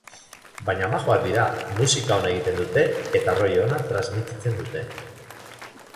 Baina majoak dira, musika ona egiten dute eta rollo ona transmititzen dute.